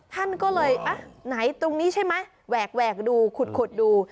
ท่านก็เลยอ่ะไหนตรงนี้ใช่ไหมแหวกดูขุดดู